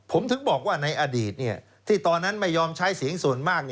ผมถึงบอกว่าในอดีตที่ตอนนั้นไม่ยอมใช้เสียงส่วนมาก